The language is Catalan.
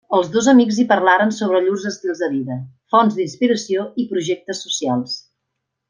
Els dos amics hi parlaren sobre llurs estils de vida, fonts d'inspiració i projectes socials.